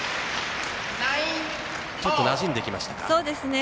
ちょっとなじんできましたか。